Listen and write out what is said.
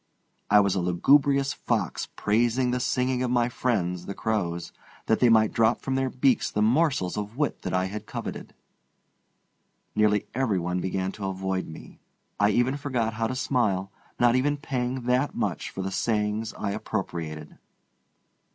I was a lugubrious fox praising the singing of my friends, the crow's, that they might drop from their beaks the morsels of wit that I coveted. Nearly every one began to avoid me. I even forgot how to smile, not even paying that much for the sayings I appropriated.